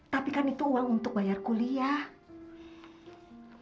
tapi kan itu uang untuk bayar kuliah